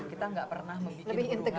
kita gak pernah membuat urungan